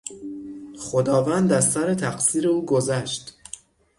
خداوند از سر تقصیر او گذشت.